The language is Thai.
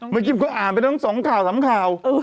เมื่อกี้ก็อ่านไปทั้งสองข่าว๓ข่าว